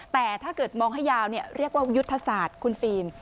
แต่ถ้าเกิดมองให้ยาวเรียกว่ายุทธศาสตร์คุณฟิล์ม